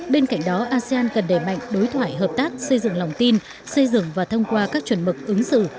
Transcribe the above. bên cạnh đó asean cần đẩy mạnh đối thoại hợp tác xây dựng lòng tin xây dựng và thông qua các chuẩn mực ứng xử